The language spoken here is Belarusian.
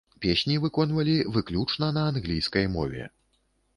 Песні выконвалі выключна на англійскай мове.